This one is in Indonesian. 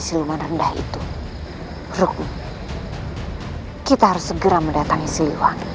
siluman rendah itu rukun kita harus segera mendatangi siliwan